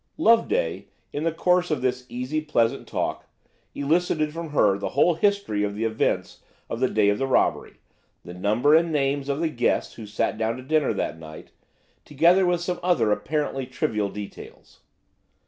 Loveday in the course of this easy, pleasant talk, elicited from her the whole history of the events of the day of the robbery, the number and names of the guests who sat down to dinner that night, together with some other apparently trivial details.